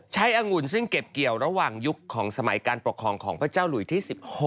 องุ่นซึ่งเก็บเกี่ยวระหว่างยุคของสมัยการปกครองของพระเจ้าหลุยที่๑๖